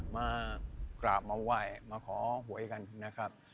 มากราบมาไหว้มาขอหวยกันนะครับ